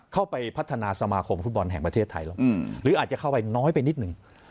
เข้าไปพัฒนาสมาคมฟุตบอลแห่งประเทศไทยลงหรืออาจจะเข้าไปน้อยไปนิดหนึ่ง